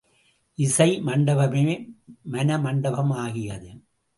இசை மண்டபமே மணமண்டபம் ஆகியது.